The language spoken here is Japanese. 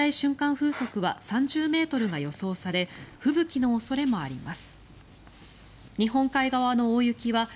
風速は３０ｍが予想され吹雪の恐れもあります。